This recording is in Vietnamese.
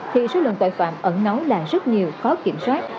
thì số lượng tội phạm ẩn nấu là rất nhiều khó kiểm soát